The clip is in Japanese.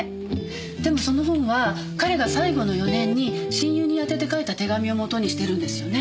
でもその本は彼が最後の４年に親友にあてて書いた手紙を元にしてるんですよね。